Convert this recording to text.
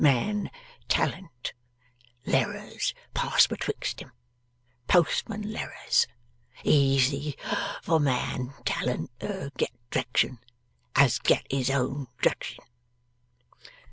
Man talent. Lerrers pass betwixt 'em. Postman lerrers. Easy for man talent er get drection, as get his own drection.